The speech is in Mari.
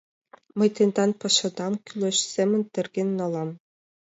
Мый тендан пашадам кӱлеш семын терген налам.